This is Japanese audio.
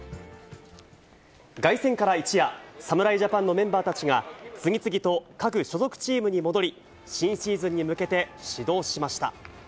凱旋から一夜、侍ジャパンのメンバーたちが、次々と各所属チームに戻り、新シーズンに向けて、始動しました。